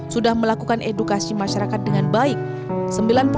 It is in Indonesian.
sudah melakukan edukasi masyarakat dengan baik